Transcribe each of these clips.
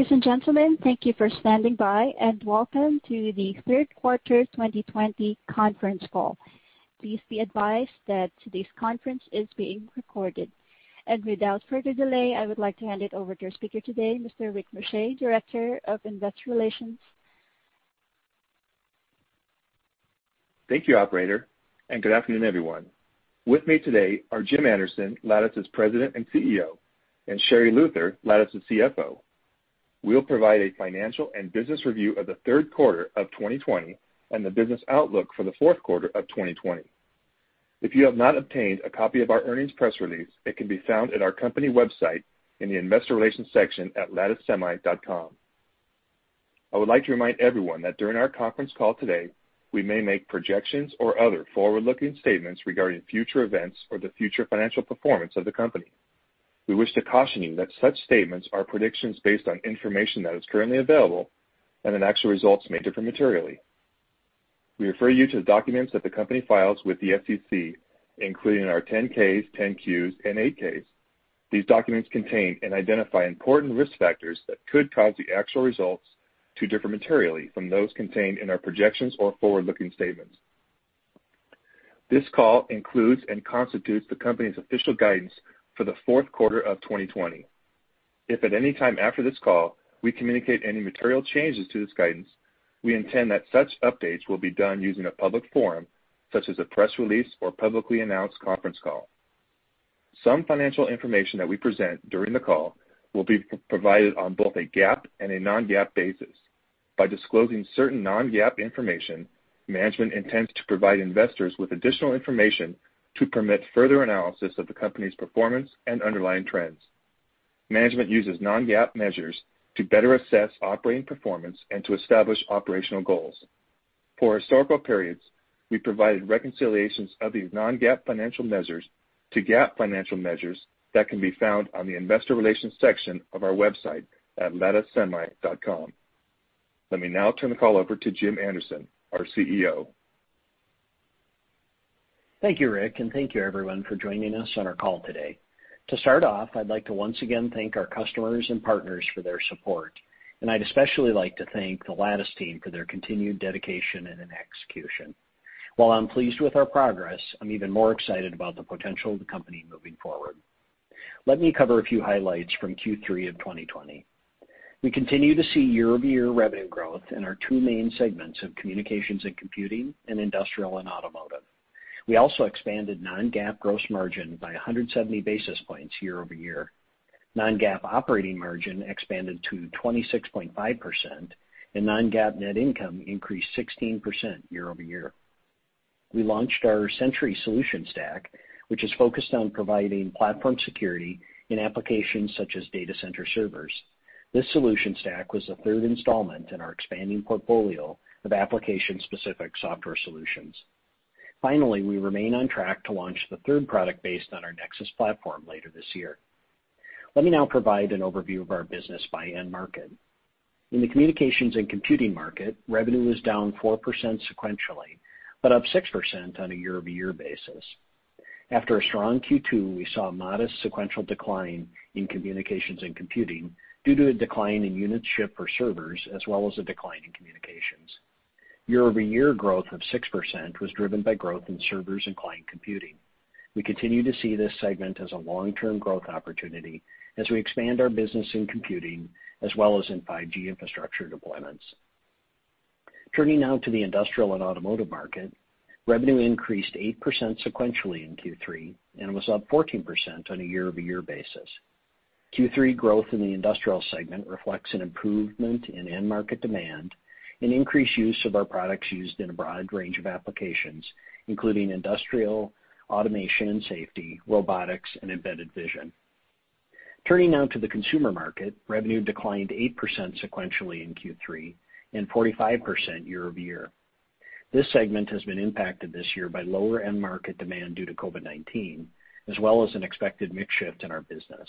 Ladies and gentlemen, thank you for standing by. Welcome to the third quarter 2020 conference call. Please be advised that today's conference is being recorded. Without further delay, I would like to hand it over to our speaker today, Mr. Rick Muscha, Director of Investor Relations. Thank you, operator, and good afternoon, everyone. With me today are Jim Anderson, Lattice's President and CEO, and Sherri Luther, Lattice's CFO. We'll provide a financial and business review of the third quarter of 2020 and the business outlook for the fourth quarter of 2020. If you have not obtained a copy of our earnings press release, it can be found at our company website in the investor relations section at latticesemi.com. I would like to remind everyone that during our conference call today, we may make projections or other forward-looking statements regarding future events or the future financial performance of the company. We wish to caution you that such statements are predictions based on information that is currently available, and that actual results may differ materially. We refer you to the documents that the company files with the SEC, including our 10-Ks, 10-Qs, and 8-Ks. These documents contain and identify important risk factors that could cause the actual results to differ materially from those contained in our projections or forward-looking statements. This call includes and constitutes the company's official guidance for the fourth quarter of 2020. If at any time after this call, we communicate any material changes to this guidance, we intend that such updates will be done using a public forum, such as a press release or publicly announced conference call. Some financial information that we present during the call will be provided on both a GAAP and a non-GAAP basis. By disclosing certain non-GAAP information, management intends to provide investors with additional information to permit further analysis of the company's performance and underlying trends. Management uses non-GAAP measures to better assess operating performance and to establish operational goals. For historical periods, we provided reconciliations of these non-GAAP financial measures to GAAP financial measures that can be found on the investor relations section of our website at latticesemi.com. Let me now turn the call over to Jim Anderson, our CEO. Thank you, Rick, and thank you, everyone, for joining us on our call today. To start off, I'd like to once again thank our customers and partners for their support, and I'd especially like to thank the Lattice team for their continued dedication and execution. While I'm pleased with our progress, I'm even more excited about the potential of the company moving forward. Let me cover a few highlights from Q3 of 2020. We continue to see year-over-year revenue growth in our two main segments of communications and computing and industrial and automotive. We also expanded non-GAAP gross margin by 170 basis points year-over-year. Non-GAAP operating margin expanded to 26.5%, and non-GAAP net income increased 16% year-over-year. We launched our Sentry solution stack, which is focused on providing platform security in applications such as data center servers. This solution stack was the third installment in our expanding portfolio of application-specific software solutions. Finally, we remain on track to launch the third product based on our Nexus platform later this year. Let me now provide an overview of our business by end market. In the communications and computing market, revenue was down 4% sequentially, but up 6% on a year-over-year basis. After a strong Q2, we saw a modest sequential decline in communications and computing due to a decline in units shipped for servers, as well as a decline in communications. Year-over-year growth of 6% was driven by growth in servers and client computing. We continue to see this segment as a long-term growth opportunity as we expand our business in computing as well as in 5G infrastructure deployments. Turning now to the industrial and automotive market, revenue increased 8% sequentially in Q3 and was up 14% on a year-over-year basis. Q3 growth in the industrial segment reflects an improvement in end market demand and increased use of our products used in a broad range of applications, including industrial, automation and safety, robotics, and embedded vision. Turning now to the consumer market, revenue declined 8% sequentially in Q3 and 45% year-over-year. This segment has been impacted this year by lower end market demand due to COVID-19, as well as an expected mix shift in our business.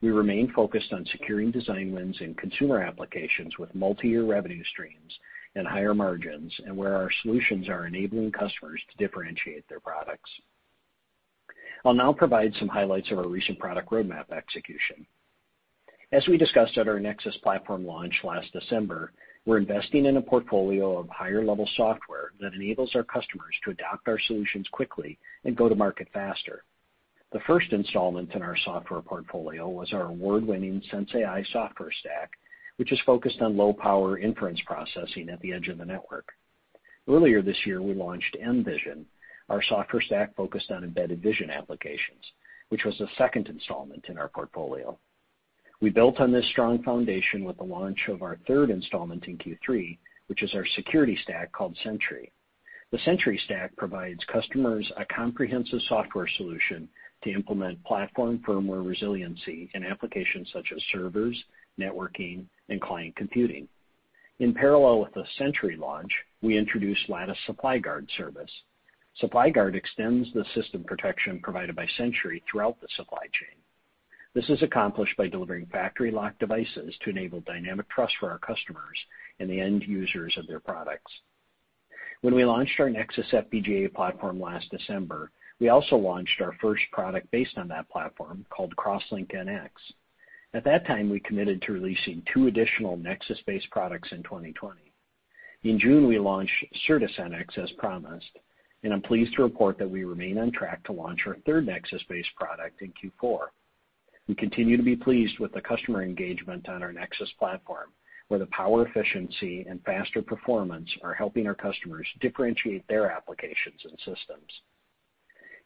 We remain focused on securing design wins in consumer applications with multi-year revenue streams and higher margins and where our solutions are enabling customers to differentiate their products. I'll now provide some highlights of our recent product roadmap execution. As we discussed at our Nexus platform launch last December, we're investing in a portfolio of higher-level software that enables our customers to adopt our solutions quickly and go to market faster. The first installment in our software portfolio was our award-winning sensAI software stack, which is focused on low-power inference processing at the edge of the network. Earlier this year, we launched mVision, our software stack focused on embedded vision applications, which was the second installment in our portfolio. We built on this strong foundation with the launch of our third installment in Q3, which is our security stack called Sentry. The Sentry stack provides customers a comprehensive software solution to implement platform firmware resiliency in applications such as servers, networking, and client computing. In parallel with the Sentry launch, we introduced Lattice SupplyGuard service. SupplyGuard extends the system protection provided by Sentry throughout the supply chain. This is accomplished by delivering factory-locked devices to enable dynamic trust for our customers and the end users of their products. When we launched our Nexus FPGA platform last December, we also launched our first product based on that platform called CrossLink-NX. At that time, we committed to releasing two additional Nexus-based products in 2020. In June, we launched Certus-NX as promised, and I'm pleased to report that we remain on track to launch our third Nexus-based product in Q4. We continue to be pleased with the customer engagement on our Nexus platform, where the power efficiency and faster performance are helping our customers differentiate their applications and systems.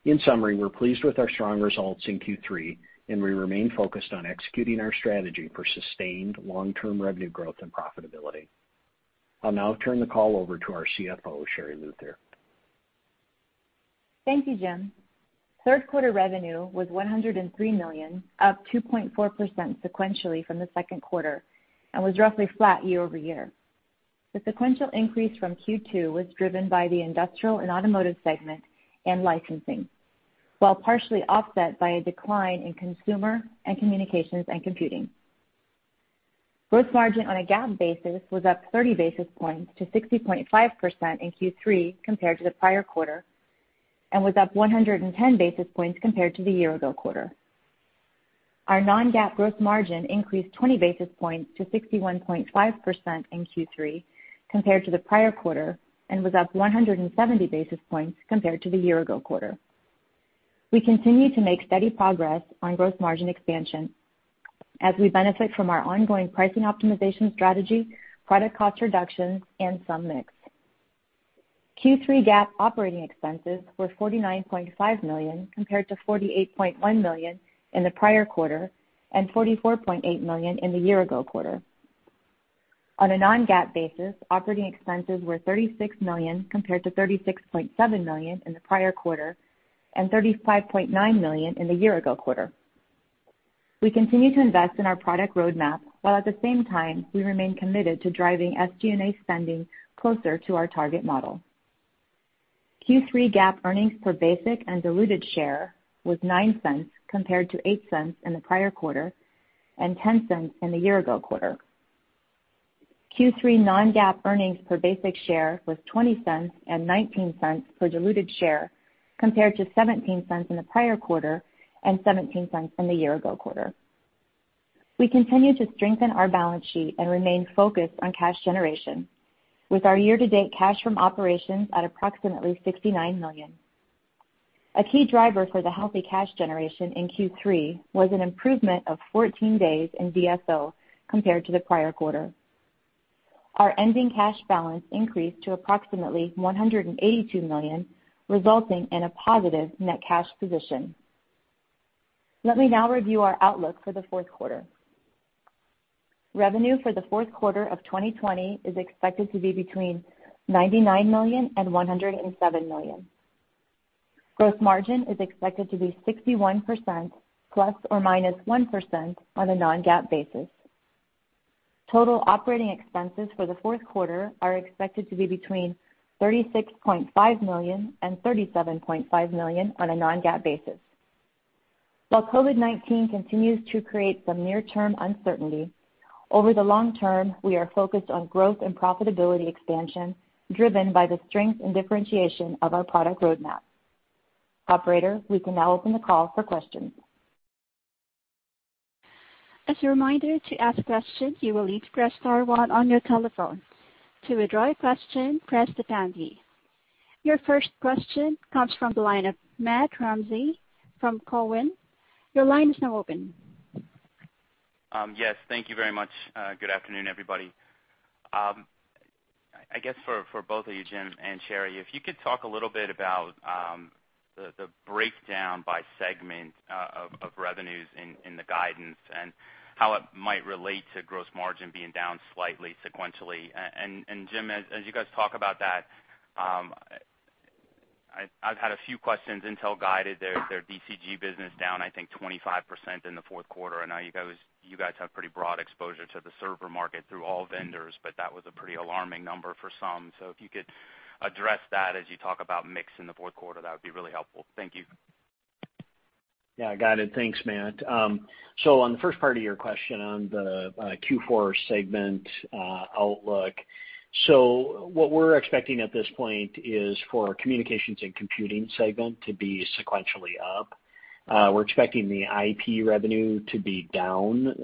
In summary, we're pleased with our strong results in Q3, and we remain focused on executing our strategy for sustained long-term revenue growth and profitability. I'll now turn the call over to our CFO, Sherri Luther. Thank you, Jim. Third quarter revenue was $103 million, up 2.4% sequentially from the second quarter and was roughly flat year-over-year. The sequential increase from Q2 was driven by the Industrial and Automotive segment and licensing, while partially offset by a decline in consumer and communications and computing. Gross margin on a GAAP basis was up 30 basis points to 60.5% in Q3 compared to the prior quarter and was up 110 basis points compared to the year-ago quarter. Our non-GAAP gross margin increased 20 basis points to 61.5% in Q3 compared to the prior quarter and was up 170 basis points compared to the year-ago quarter. We continue to make steady progress on gross margin expansion as we benefit from our ongoing pricing optimization strategy, product cost reductions, and some mix. Q3 GAAP operating expenses were $49.5 million compared to $48.1 million in the prior quarter and $44.8 million in the year-ago quarter. On a non-GAAP basis, operating expenses were $36 million compared to $36.7 million in the prior quarter and $35.9 million in the year-ago quarter. We continue to invest in our product roadmap, while at the same time, we remain committed to driving SG&A spending closer to our target model. Q3 GAAP earnings per basic and diluted share was $0.09 compared to $0.08 in the prior quarter and $0.10 in the year-ago quarter. Q3 non-GAAP earnings per basic share was $0.20 and $0.19 per diluted share, compared to $0.17 in the prior quarter and $0.17 in the year-ago quarter. We continue to strengthen our balance sheet and remain focused on cash generation with our year-to-date cash from operations at approximately $69 million. A key driver for the healthy cash generation in Q3 was an improvement of 14 days in DSO compared to the prior quarter. Our ending cash balance increased to approximately $182 million, resulting in a positive net cash position. Let me now review our outlook for the fourth quarter. Revenue for the fourth quarter of 2020 is expected to be between $99 million and $107 million. Gross margin is expected to be 61% ±1% on a non-GAAP basis. Total operating expenses for the fourth quarter are expected to be between $36.5 million and $37.5 million on a non-GAAP basis. While COVID-19 continues to create some near-term uncertainty, over the long term, we are focused on growth and profitability expansion, driven by the strength and differentiation of our product roadmap. Operator, we can now open the call for questions. As a reminder, to ask questions, you will need to press star one on your telephone. To withdraw your question, press the pound key. Your first question comes from the line of Matt Ramsay from Cowen. Your line is now open. Yes. Thank you very much. Good afternoon, everybody. I guess for both of you, Jim and Sherri, if you could talk a little bit about the breakdown by segment of revenues in the guidance and how it might relate to gross margin being down slightly sequentially. Jim, as you guys talk about that, I've had a few questions. Intel guided their DCG business down, I think 25% in the fourth quarter, and now you guys have pretty broad exposure to the server market through all vendors, but that was a pretty alarming number for some. If you could address that as you talk about mix in the fourth quarter, that would be really helpful. Thank you. Yeah, got it. Thanks, Matt. On the first part of your question on the Q4 segment outlook, what we're expecting at this point is for our communications and computing segment to be sequentially up. We're expecting the IP revenue to be down,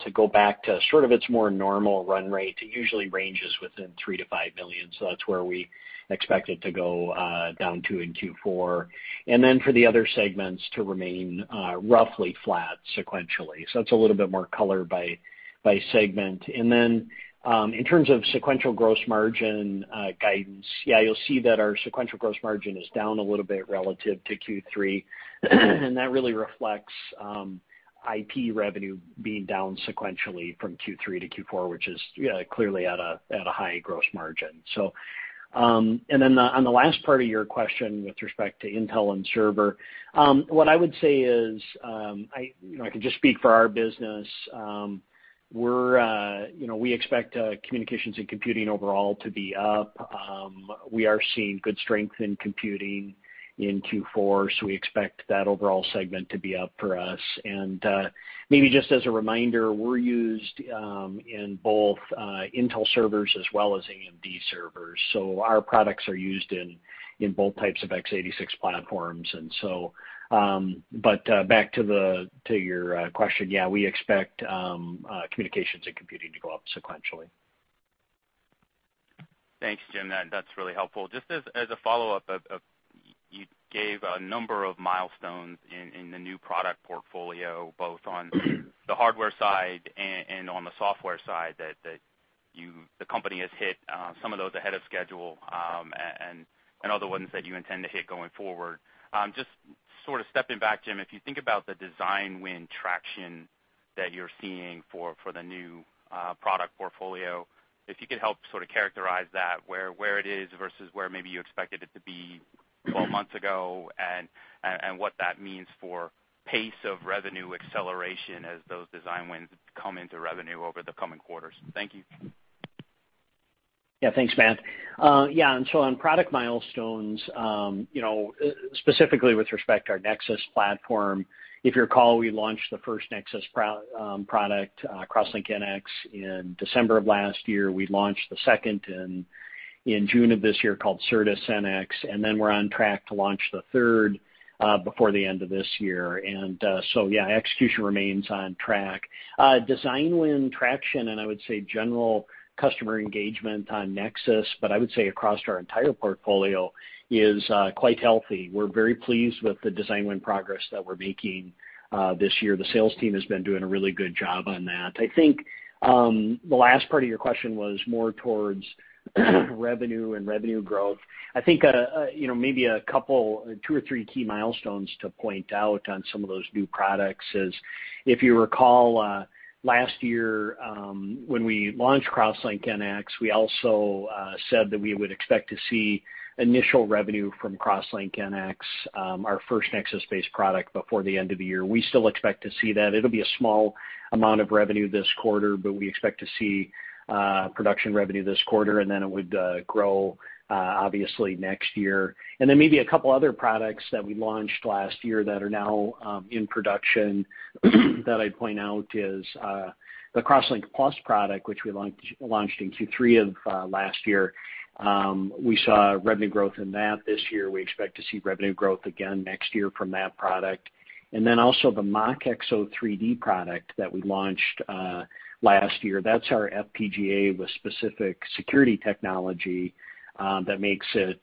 to go back to sort of its more normal run rate. It usually ranges within $3 million-$5 million. That's where we expect it to go down to in Q4. For the other segments to remain roughly flat sequentially. That's a little bit more color by segment. In terms of sequential gross margin guidance, yeah, you'll see that our sequential gross margin is down a little bit relative to Q3, and that really reflects IP revenue being down sequentially from Q3-Q4, which is clearly at a high gross margin. Then on the last part of your question with respect to Intel and server, what I would say is, I can just speak for our business. We expect communications and computing overall to be up. We are seeing good strength in computing in Q4, so we expect that overall segment to be up for us. Maybe just as a reminder, we're used in both Intel servers as well as AMD servers. Our products are used in both types of x86 platforms. Back to your question, yeah, we expect communications and computing to go up sequentially. Thanks, Jim. That's really helpful. As a follow-up, you gave a number of milestones in the new product portfolio, both on the hardware side and on the software side that the company has hit some of those ahead of schedule, and other ones that you intend to hit going forward. Sort of stepping back, Jim, if you think about the design win traction that you're seeing for the new product portfolio, if you could help sort of characterize that, where it is versus where maybe you expected it to be 12 months ago, and what that means for pace of revenue acceleration as those design wins come into revenue over the coming quarters. Thank you. Thanks, Matt. On product milestones, specifically with respect to our Nexus platform, if you recall, we launched the first Nexus product, CrossLink-NX, in December of last year. We launched the second in June of this year called Certus-NX. We're on track to launch the third before the end of this year. Execution remains on track. Design win traction, and I would say general customer engagement on Nexus, but I would say across our entire portfolio, is quite healthy. We're very pleased with the design win progress that we're making this year. The sales team has been doing a really good job on that. I think the last part of your question was more towards revenue and revenue growth. I think maybe a couple, two or three key milestones to point out on some of those new products is, if you recall, last year, when we launched CrossLink-NX, we also said that we would expect to see initial revenue from CrossLink-NX, our first Nexus-based product, before the end of the year. We still expect to see that. It'll be a small amount of revenue this quarter, but we expect to see production revenue this quarter, and then it would grow, obviously, next year. Maybe a couple other products that we launched last year that are now in production that I'd point out is the CrossLinkPlus product, which we launched in Q3 of last year. We saw revenue growth in that this year. We expect to see revenue growth again next year from that product. Also the MachXO3D product that we launched last year. That's our FPGA with specific security technology that makes it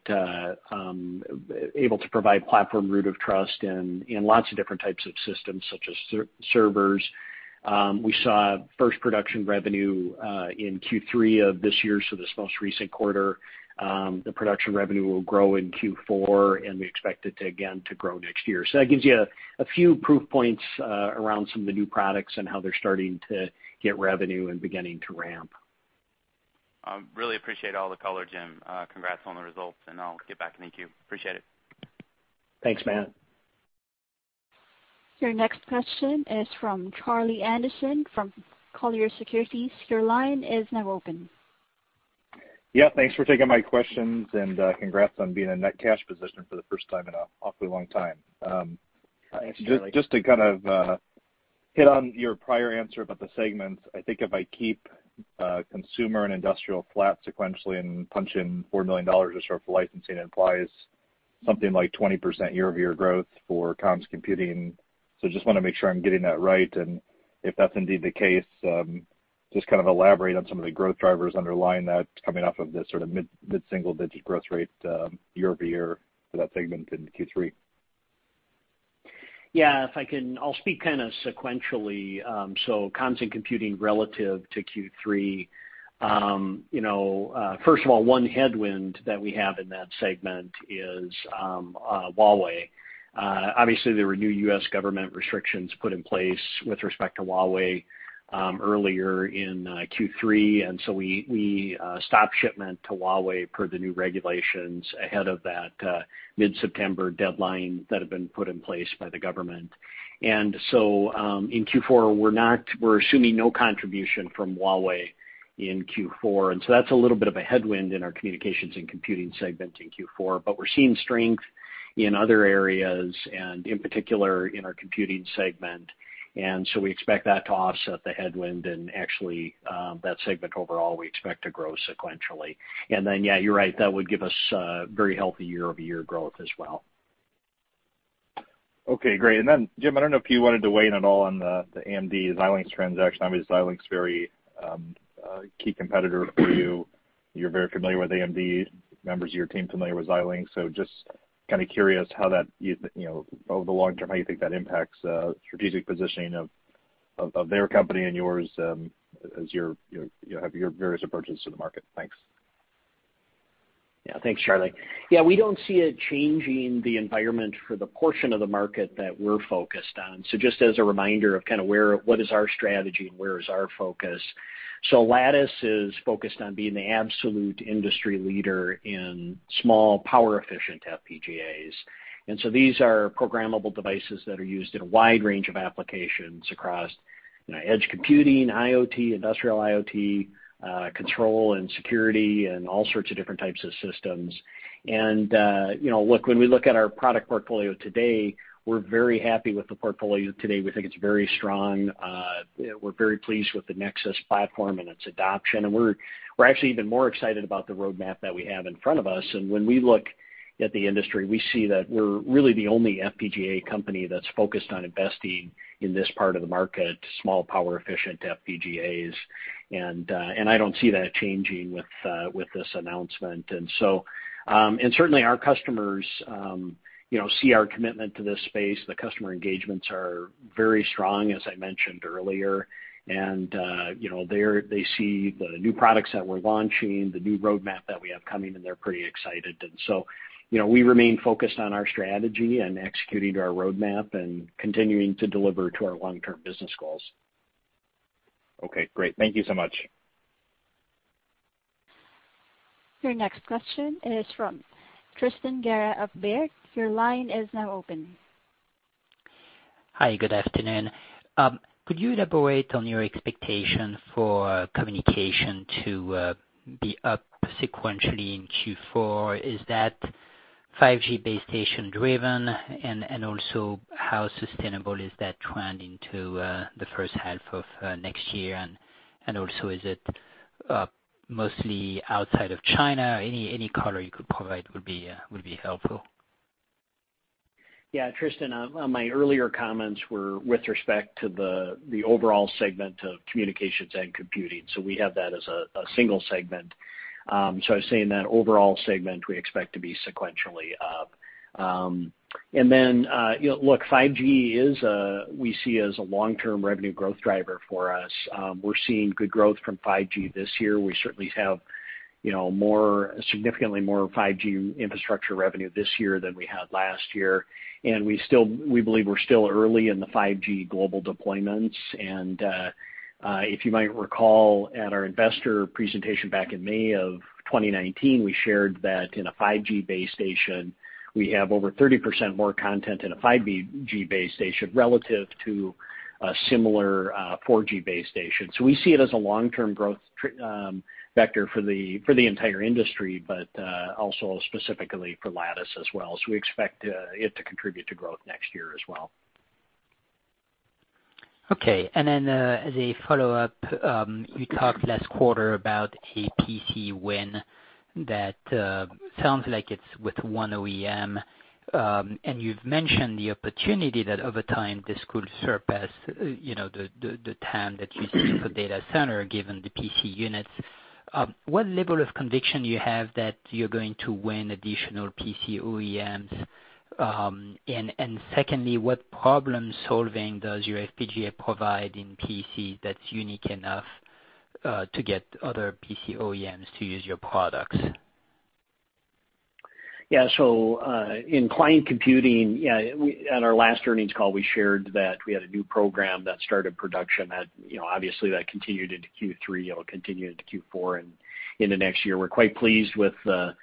able to provide platform root of trust in lots of different types of systems, such as servers. We saw first production revenue in Q3 of this year, so this most recent quarter. The production revenue will grow in Q4, and we expect it to grow next year. That gives you a few proof points around some of the new products and how they're starting to get revenue and beginning to ramp. Really appreciate all the color, Jim. Congrats on the results, and I'll get back. Thank you. Appreciate it. Thanks, Matt. Your next question is from Charlie Anderson from Colliers Securities. Your line is now open. Yeah. Thanks for taking my questions, and congrats on being in net cash position for the first time in an awfully long time. Thanks, Charlie. Just to kind of hit on your prior answer about the segments, I think if I keep consumer and industrial flat sequentially and punch in $4 million of software licensing implies something like 20% year-over-year growth for comms computing. Just want to make sure I'm getting that right, and if that's indeed the case, just kind of elaborate on some of the growth drivers underlying that coming off of the sort of mid-single-digit growth rate year-over-year for that segment in Q3. Yeah. I'll speak kind of sequentially. Comms and computing relative to Q3. First of all, one headwind that we have in that segment is Huawei. Obviously, there were new U.S. government restrictions put in place with respect to Huawei earlier in Q3, we stopped shipment to Huawei per the new regulations ahead of that mid-September deadline that had been put in place by the government. In Q4, we're assuming no contribution from Huawei in Q4, that's a little bit of a headwind in our communications and computing segment in Q4. We're seeing strength in other areas and, in particular, in our computing segment. We expect that to offset the headwind and actually, that segment overall, we expect to grow sequentially. Then, yeah, you're right. That would give us very healthy year-over-year growth as well. Jim, I don't know if you wanted to weigh in at all on the AMD-Xilinx transaction. Obviously, Xilinx is a very key competitor for you. You're very familiar with AMD, members of your team familiar with Xilinx. Just kind of curious how that, over the long term, how you think that impacts strategic positioning of their company and yours as you have your various approaches to the market. Thanks. Thanks, Charlie. We don't see it changing the environment for the portion of the market that we're focused on. Just as a reminder of kind of what is our strategy and where is our focus. Lattice is focused on being the absolute industry leader in small power efficient FPGAs. These are programmable devices that are used in a wide range of applications across edge computing, IoT, industrial IoT, control and security, and all sorts of different types of systems. When we look at our product portfolio today, we're very happy with the portfolio today. We think it's very strong. We're very pleased with the Nexus platform and its adoption, and we're actually even more excited about the roadmap that we have in front of us. When we look at the industry, we see that we're really the only FPGA company that's focused on investing in this part of the market, small power efficient FPGAs. I don't see that changing with this announcement. Certainly our customers see our commitment to this space. The customer engagements are very strong, as I mentioned earlier. They see the new products that we're launching, the new roadmap that we have coming, and they're pretty excited. We remain focused on our strategy and executing our roadmap and continuing to deliver to our long-term business goals. Okay, great. Thank you so much. Your next question is from Tristan Gerra of Baird. Your line is now open. Hi, good afternoon. Could you elaborate on your expectation for communication to be up sequentially in Q4? Is that 5G base station driven, and also how sustainable is that trend into the first half of next year, and also is it mostly outside of China? Any color you could provide would be helpful. Yeah, Tristan, my earlier comments were with respect to the overall segment of communications and computing, so we have that as a single segment. I was saying that overall segment we expect to be sequentially up. Look, 5G we see as a long-term revenue growth driver for us. We're seeing good growth from 5G this year. We certainly have significantly more 5G infrastructure revenue this year than we had last year. We believe we're still early in the 5G global deployments. If you might recall, at our investor presentation back in May of 2019, we shared that in a 5G base station, we have over 30% more content in a 5G base station relative to a similar 4G base station. We see it as a long-term growth vector for the entire industry, but also specifically for Lattice as well. We expect it to contribute to growth next year as well. Okay. Then as a follow-up, you talked last quarter about a PC win that sounds like it's with one OEM, and you've mentioned the opportunity that over time this could surpass the TAM that you see for data center, given the PC units. What level of conviction do you have that you're going to win additional PC OEMs? Secondly, what problem-solving does your FPGA provide in PC that's unique enough to get other PC OEMs to use your products? In client computing, at our last earnings call, we shared that we had a new program that started production that obviously continued into Q3, it'll continue into Q4 and into next year. We're quite pleased with the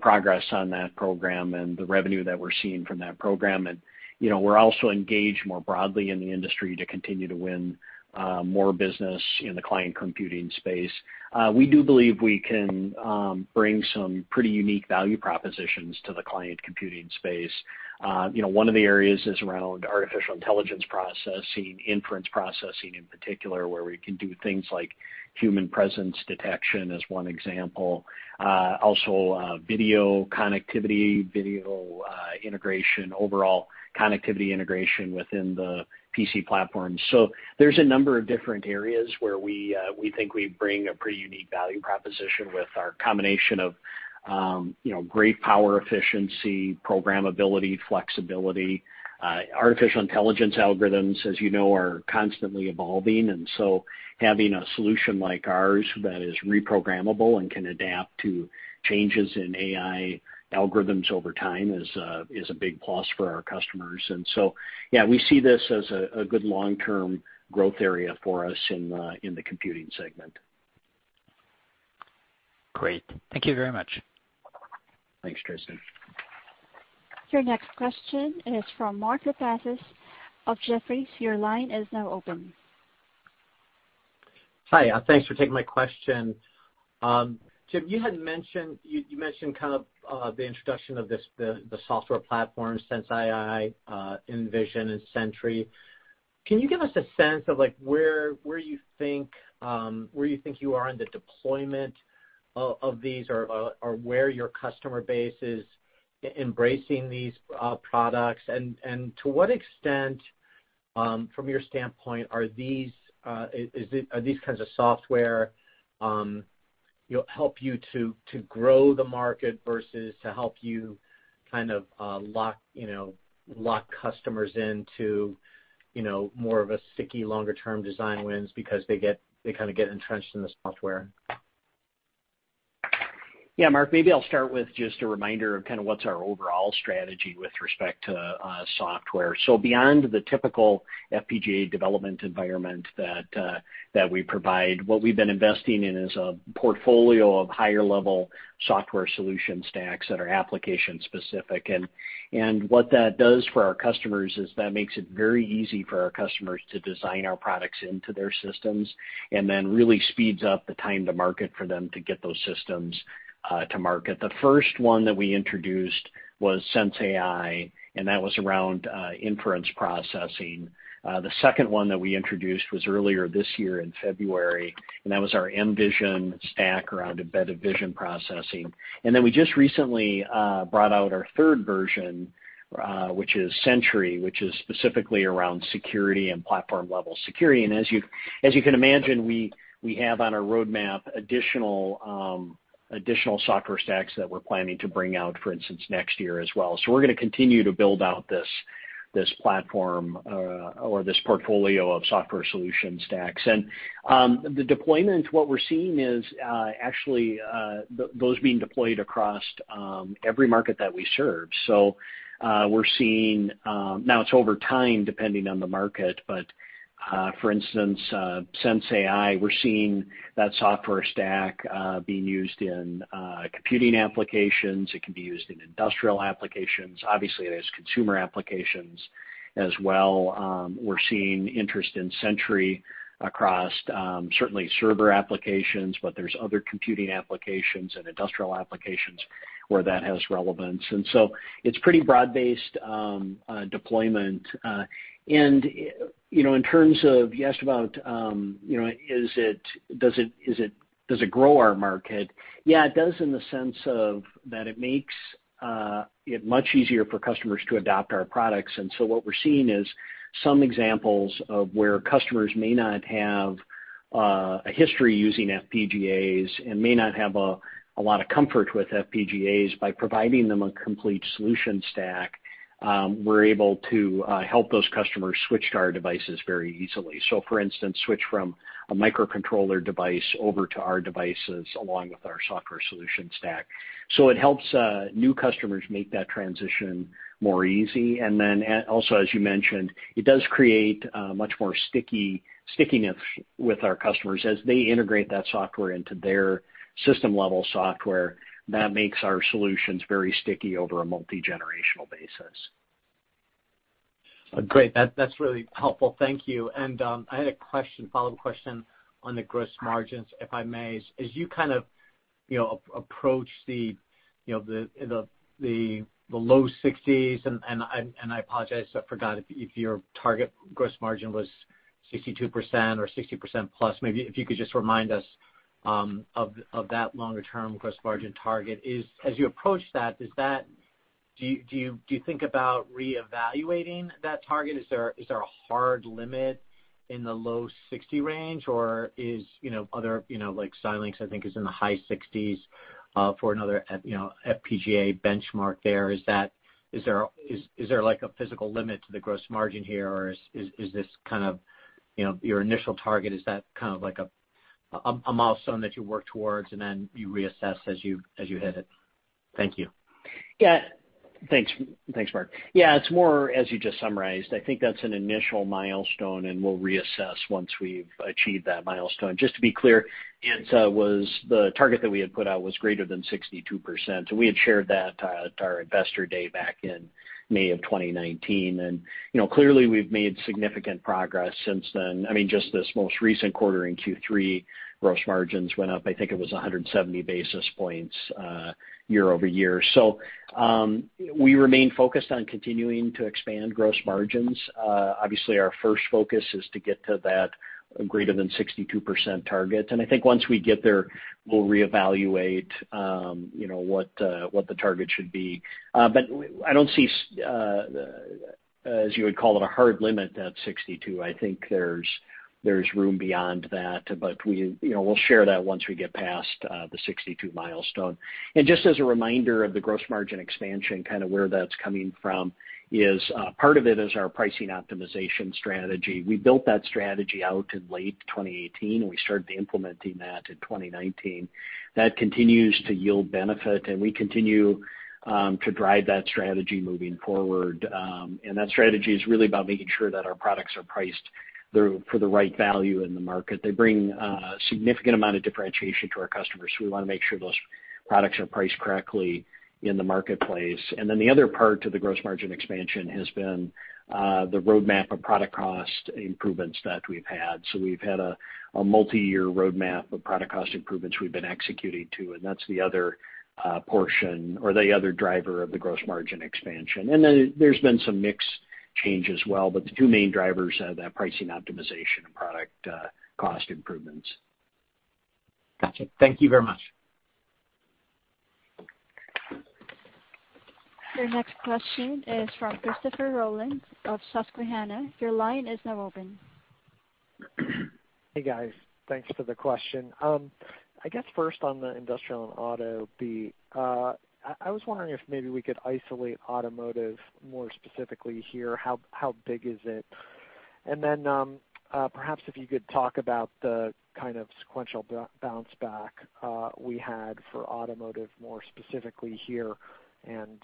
progress on that program and the revenue that we're seeing from that program. We're also engaged more broadly in the industry to continue to win more business in the client computing space. We do believe we can bring some pretty unique value propositions to the client computing space. One of the areas is around artificial intelligence processing, inference processing in particular, where we can do things like human presence detection as one example. Also video connectivity, video integration, overall connectivity integration within the PC platform. There's a number of different areas where we think we bring a pretty unique value proposition with our combination of great power efficiency, programmability, flexibility. Artificial intelligence algorithms, as you know, are constantly evolving, and so having a solution like ours that is reprogrammable and can adapt to changes in AI algorithms over time is a big plus for our customers. Yeah, we see this as a good long-term growth area for us in the computing segment. Great. Thank you very much. Thanks, Tristan. Your next question is from Mark Lipacis of Jefferies. Your line is now open. Hi, thanks for taking my question. Jim, you mentioned kind of the introduction of the software platform, sensAI, mVision, and Sentry. Can you give us a sense of where you think you are in the deployment of these, or where your customer base is embracing these products? And to what extent, from your standpoint, are these kinds of software help you to grow the market versus to help you kind of lock customers into more of a sticky, longer-term design wins because they kind of get entrenched in the software? Yeah, Mark, maybe I'll start with just a reminder of kind of what's our overall strategy with respect to software. Beyond the typical FPGA development environment that we provide, what we've been investing in is a portfolio of higher-level software solution stacks that are application-specific. What that does for our customers is that makes it very easy for our customers to design our products into their systems, and then really speeds up the time to market for them to get those systems to market. The first one that we introduced was sensAI, and that was around inference processing. The second one that we introduced was earlier this year in February, and that was our mVision stack around embedded vision processing. We just recently brought out our third version, which is Sentry, which is specifically around security and platform-level security. As you can imagine, we have on our roadmap additional software stacks that we're planning to bring out, for instance, next year as well. We're going to continue to build out this platform, or this portfolio of software solution stacks. The deployment, what we're seeing is actually those being deployed across every market that we serve. For instance, sensAI, we're seeing that software stack being used in computing applications. It can be used in industrial applications. Obviously, it has consumer applications as well. We're seeing interest in Sentry across certainly server applications, but there's other computing applications and industrial applications where that has relevance. It's pretty broad-based deployment. In terms of, you asked about, does it grow our market? Yeah, it does in the sense of that it makes it much easier for customers to adopt our products. What we're seeing is some examples of where customers may not have a history using FPGAs and may not have a lot of comfort with FPGAs. By providing them a complete solution stack, we're able to help those customers switch to our devices very easily. For instance, switch from a microcontroller device over to our devices along with our software solution stack. It helps new customers make that transition more easy. Also, as you mentioned, it does create much more stickiness with our customers as they integrate that software into their system-level software. That makes our solutions very sticky over a multi-generational basis. Great. That's really helpful. Thank you. I had a follow-up question on the gross margins, if I may. As you kind of approach the low 60%, I apologize, I forgot if your target gross margin was 62% or 60% +. Maybe if you could just remind us of that longer-term gross margin target. As you approach that, do you think about reevaluating that target? Is there a hard limit in the low 60% range, or is other like Xilinx, I think is in the high 60% for another FPGA benchmark there. Is there a physical limit to the gross margin here? Is this kind of your initial target, is that kind of a milestone that you work towards and then you reassess as you hit it? Thank you. Yeah. Thanks, Mark. Yeah, it's more as you just summarized. I think that's an initial milestone, and we'll reassess once we've achieved that milestone. Just to be clear, the target that we had put out was greater than 62%. We had shared that at our Analyst Day back in May of 2019. Clearly we've made significant progress since then. I mean, just this most recent quarter in Q3, gross margins went up, I think it was 170 basis points year-over-year. We remain focused on continuing to expand gross margins. Obviously, our first focus is to get to that greater than 62% target. I think once we get there, we'll reevaluate what the target should be. I don't see, as you would call it, a hard limit at 62%. I think there's room beyond that, but we'll share that once we get past the 62% milestone. Just as a reminder of the gross margin expansion, kind of where that's coming from is part of it is our pricing optimization strategy. We built that strategy out in late 2018, and we started implementing that in 2019. That continues to yield benefit, and we continue to drive that strategy moving forward. That strategy is really about making sure that our products are priced for the right value in the market. They bring a significant amount of differentiation to our customers. We want to make sure those products are priced correctly in the marketplace. The other part to the gross margin expansion has been the roadmap of product cost improvements that we've had. We've had a multi-year roadmap of product cost improvements we've been executing to, and that's the other portion or the other driver of the gross margin expansion. Then there's been some mix change as well. The two main drivers are that pricing optimization and product cost improvements. Got you. Thank you very much. Your next question is from Christopher Rolland of Susquehanna. Your line is now open. Hey, guys. Thanks for the question. I guess first on the Industrial and Automotive, I was wondering if maybe we could isolate automotive more specifically here. How big is it? Perhaps if you could talk about the kind of sequential bounce back we had for automotive, more specifically here, and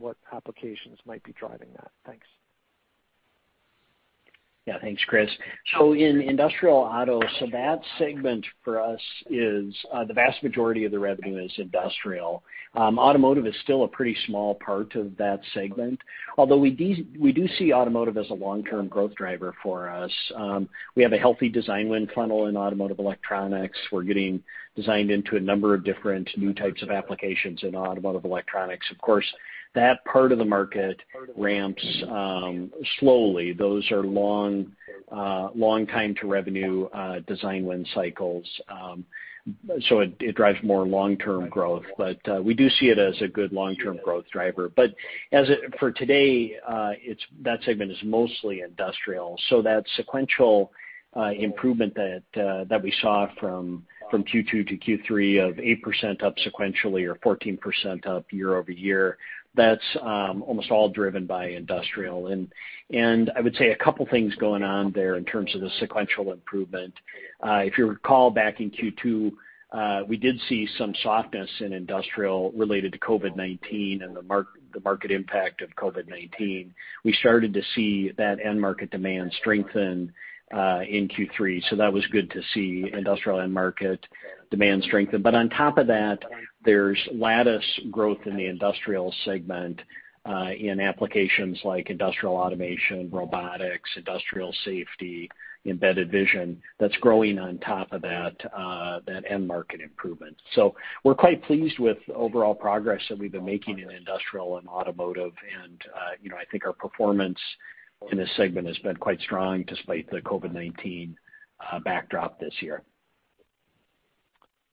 what applications might be driving that. Thanks. Yeah. Thanks, Chris. In Industrial and Automotive, that segment for us is the vast majority of the revenue is industrial. Automotive is still a pretty small part of that segment, although we do see automotive as a long-term growth driver for us. We have a healthy design win funnel in Automotive Electronics. We're getting designed into a number of different new types of applications in Automotive Electronics. Of course, that part of the market ramps slowly. Those are long time to revenue design win cycles. It drives more long-term growth. We do see it as a good long-term growth driver. For today, that segment is mostly industrial. That sequential improvement that we saw from Q2-Q3 of 8% up sequentially or 14% up year-over-year, that's almost all driven by industrial. I would say a couple things going on there in terms of the sequential improvement. If you recall back in Q2, we did see some softness in industrial related to COVID-19 and the market impact of COVID-19. We started to see that end market demand strengthen in Q3, so that was good to see industrial end market demand strengthen. On top of that, there's Lattice growth in the industrial segment in applications like industrial automation, robotics, industrial safety, embedded vision that's growing on top of that end market improvement. We're quite pleased with the overall progress that we've been making in industrial and automotive, and I think our performance in this segment has been quite strong despite the COVID-19 backdrop this year.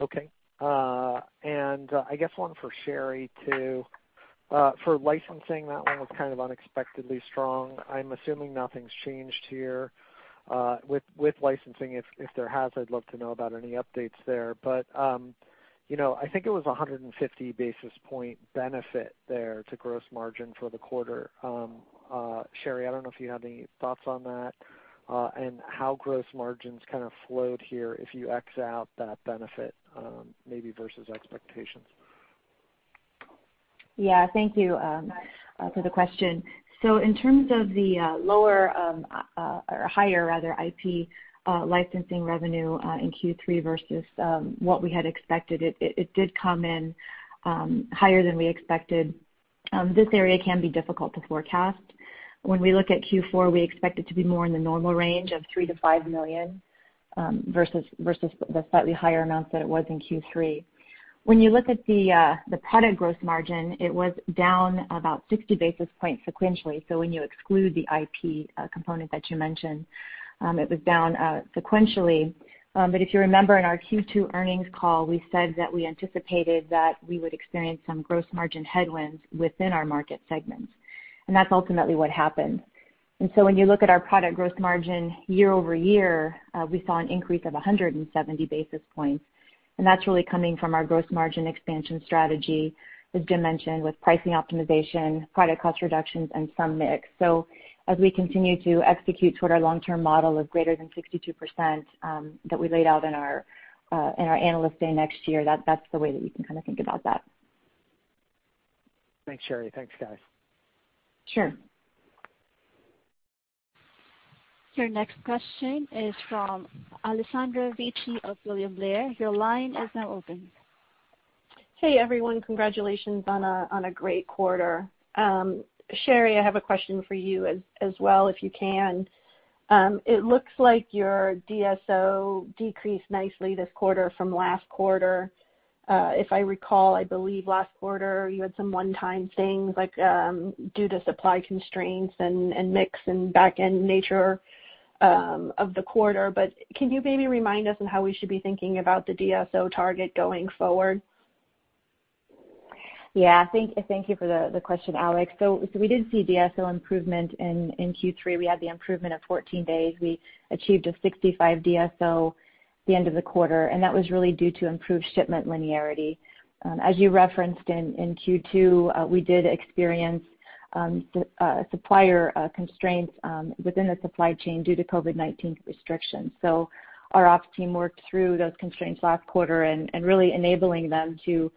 Okay. I guess one for Sherri too. For licensing, that one was kind of unexpectedly strong. I'm assuming nothing's changed here with licensing. If there has, I'd love to know about any updates there. I think it was 150 basis point benefit there to gross margin for the quarter. Sherri, I don't know if you have any thoughts on that, and how gross margins kind of flowed here if you X out that benefit, maybe versus expectations. Yeah, thank you for the question. In terms of the higher IP licensing revenue in Q3 versus what we had expected, it did come in higher than we expected. This area can be difficult to forecast. When we look at Q4, we expect it to be more in the normal range of $3 million-$5 million, versus the slightly higher amounts that it was in Q3. When you look at the product gross margin, it was down about 60 basis points sequentially. When you exclude the IP component that you mentioned, it was down sequentially. If you remember, in our Q2 earnings call, we said that we anticipated that we would experience some gross margin headwinds within our market segments, and that's ultimately what happened. When you look at our product gross margin year over year, we saw an increase of 170 basis points, and that's really coming from our gross margin expansion strategy, as Jim mentioned, with pricing optimization, product cost reductions, and some mix. As we continue to execute toward our long-term model of greater than 62% that we laid out in our Analyst Day next year, that's the way that you can kind of think about that. Thanks, Sherri. Thanks, guys. Sure. Your next question is from Alessandra Vecchi of William Blair. Your line is now open. Hey, everyone. Congratulations on a great quarter. Sherri, I have a question for you as well, if you can. It looks like your DSO decreased nicely this quarter from last quarter. If I recall, I believe last quarter you had some one-time things like due to supply constraints and mix and back end nature of the quarter. Can you maybe remind us on how we should be thinking about the DSO target going forward? Yeah. Thank you for the question, Alex. We did see DSO improvement in Q3. We had the improvement of 14 days. We achieved a 65 DSO the end of the quarter, and that was really due to improved shipment linearity. As you referenced in Q2, we did experience supplier constraints within the supply chain due to COVID-19 restrictions. Our ops team worked through those constraints last quarter and really enabling them to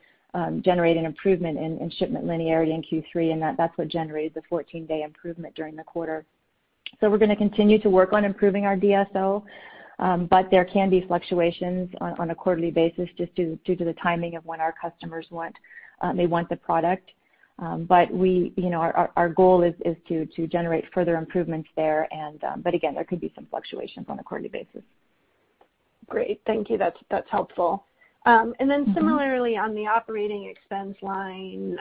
generate an improvement in shipment linearity in Q3, and that's what generated the 14-day improvement during the quarter. We're going to continue to work on improving our DSO, but there can be fluctuations on a quarterly basis just due to the timing of when our customers may want the product. Our goal is to generate further improvements there, but again, there could be some fluctuations on a quarterly basis. Great. Thank you. That's helpful. Then similarly, on the operating expense line,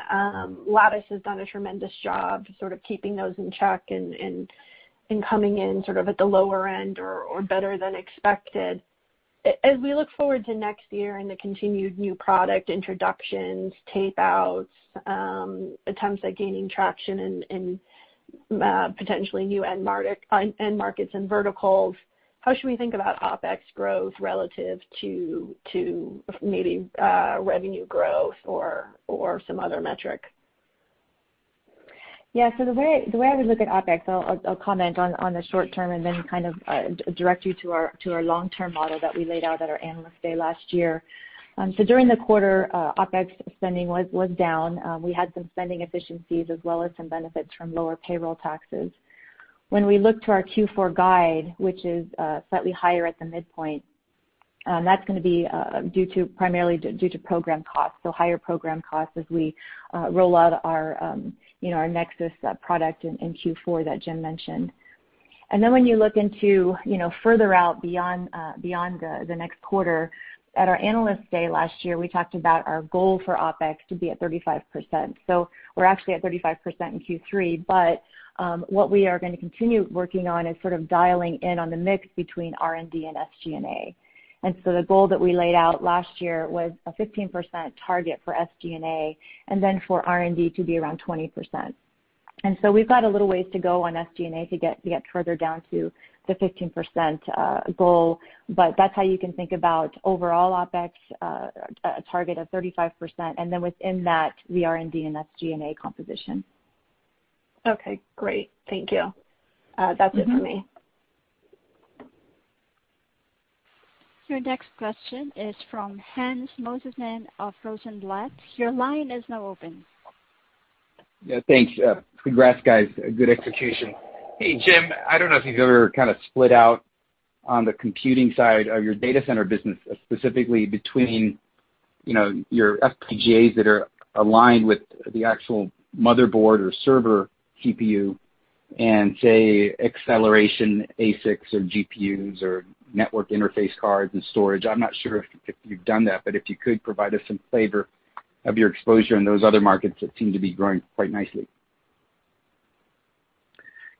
Lattice has done a tremendous job sort of keeping those in check and coming in sort of at the lower end or better than expected. As we look forward to next year and the continued new product introductions, tape-outs, attempts at gaining traction in potentially new end markets and verticals, how should we think about OpEx growth relative to maybe revenue growth or some other metric? The way I would look at OpEx, I'll comment on the short term and then kind of direct you to our long-term model that we laid out at our Analyst Day last year. During the quarter, OpEx spending was down. We had some spending efficiencies as well as some benefits from lower payroll taxes. When we look to our Q4 guide, which is slightly higher at the midpoint, that's going to be primarily due to program costs, so higher program costs as we roll out our Nexus product in Q4 that Jim mentioned. When you look into further out beyond the next quarter, at our Analyst Day last year, we talked about our goal for OpEx to be at 35%. We're actually at 35% in Q3, but what we are going to continue working on is sort of dialing in on the mix between R&D and SG&A. The goal that we laid out last year was a 15% target for SG&A, and then for R&D to be around 20%. We've got a little ways to go on SG&A to get further down to the 15% goal. That's how you can think about overall OpEx, a target of 35%, and then within that, the R&D and SG&A composition. Okay, great. Thank you. That's it for me. Your next question is from Hans Mosesmann of Rosenblatt. Your line is now open. Yeah, thanks. Congrats, guys. Good execution. Hey, Jim, I don't know if you've ever kind of split out on the computing side of your data center business, specifically between your FPGAs that are aligned with the actual motherboard or server CPU and say, acceleration ASICs or GPUs or network interface cards and storage. I'm not sure if you've done that, but if you could provide us some flavor of your exposure in those other markets that seem to be growing quite nicely.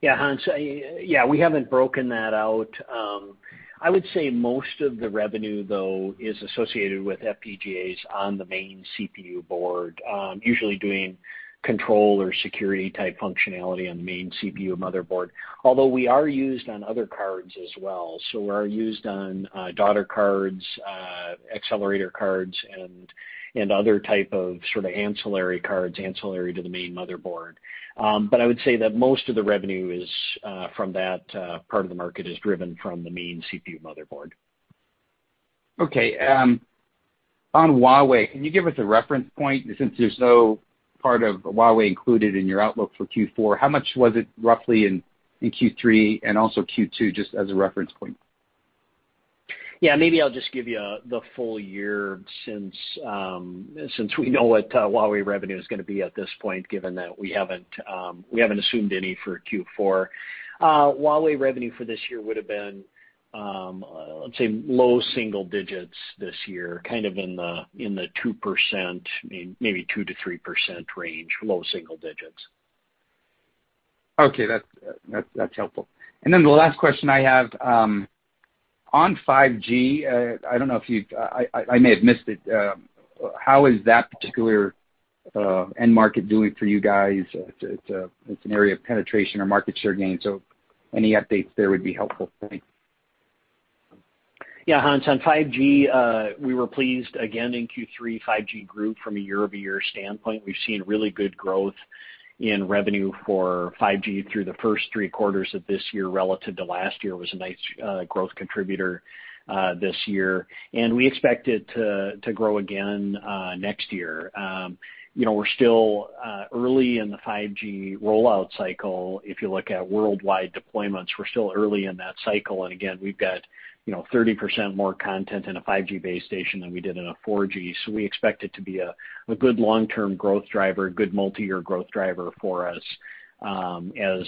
Yeah, Hans. We haven't broken that out. I would say most of the revenue, though, is associated with FPGAs on the main CPU board, usually doing control or security-type functionality on the main CPU motherboard, although we are used on other cards as well. We are used on daughter cards, accelerator cards, and other type of ancillary cards, ancillary to the main motherboard. I would say that most of the revenue from that part of the market is driven from the main CPU motherboard. Okay. On Huawei, can you give us a reference point since there's no part of Huawei included in your outlook for Q4? How much was it roughly in Q3 and also Q2, just as a reference point? Yeah. Maybe I'll just give you the full year since we know what Huawei revenue is going to be at this point, given that we haven't assumed any for Q4. Huawei revenue for this year would've been, let's say, low single digits this year, kind of in the 2%, maybe 2%-3% range. Low single digits. Okay. That is helpful. The last question I have, on 5G, I may have missed it, how is that particular end market doing for you guys? It is an area of penetration or market share gain. Any updates there would be helpful for me. Yeah, Hans. On 5G, we were pleased again in Q3. 5G grew from a year-over-year standpoint. We've seen really good growth in revenue for 5G through the first three quarters of this year relative to last year. It was a nice growth contributor this year, and we expect it to grow again next year. We're still early in the 5G rollout cycle. If you look at worldwide deployments, we're still early in that cycle. Again, we've got 30% more content in a 5G base station than we did in a 4G. We expect it to be a good long-term growth driver, good multi-year growth driver for us as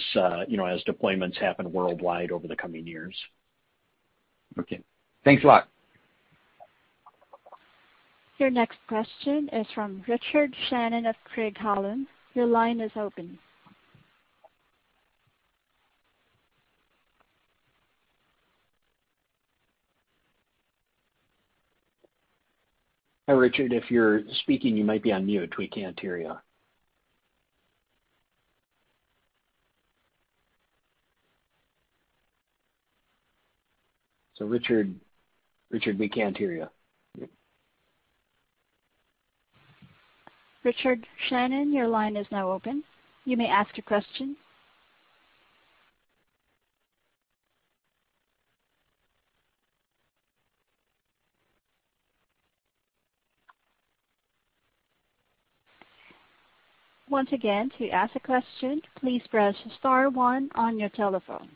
deployments happen worldwide over the coming years. Okay. Thanks a lot. Your next question is from Richard Shannon of Craig-Hallum. Your line is open. Hi, Richard. If you're speaking, you might be on mute. We can't hear you. Richard, we can't hear you. Richard Shannon, your line is now open. You may ask your question. Once again, to ask a question, please press star one on your telephone.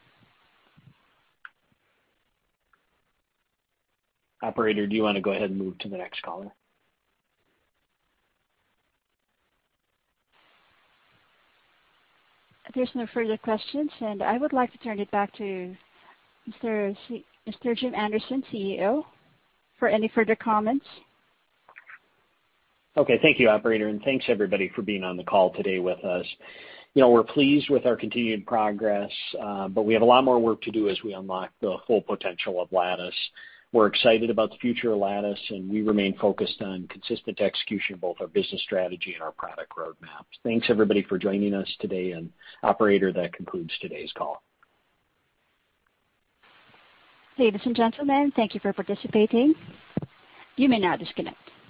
Operator, do you want to go ahead and move to the next caller? If there's no further questions, I would like to turn it back to Mr. Jim Anderson, CEO, for any further comments. Okay. Thank you, operator, and thanks everybody for being on the call today with us. We're pleased with our continued progress, but we have a lot more work to do as we unlock the full potential of Lattice. We're excited about the future of Lattice, and we remain focused on consistent execution of both our business strategy and our product roadmaps. Thanks everybody for joining us today, and operator, that concludes today's call. Ladies and gentlemen, thank you for participating. You may now disconnect.